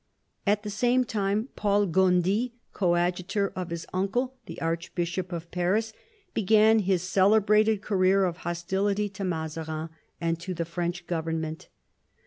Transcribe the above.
At the same time Paul Gondi, coadjutor of his uncle, the Archbishop of Paris, began his celebrated career of hostility to Mazarin and to the French government.